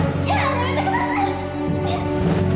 やめてください